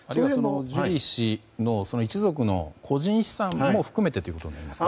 ジュリー氏の一族の個人資産も含めてということになりますか。